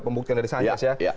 pembuktikan dari sanchez ya